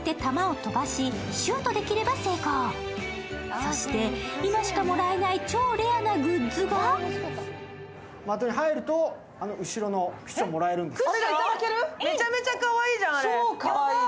そして、今しかもらえない超レアなグッズが的に入ると、あの後ろのクッションがもらえるんですよ。